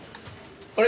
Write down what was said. あれ？